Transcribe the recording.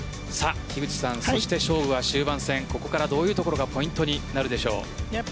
樋口さん、勝負は終盤戦ここからどういうところがポイントになるでしょう。